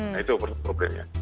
nah itu problemnya